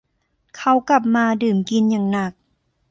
เขากลับมาดื่มกินอย่างหนัก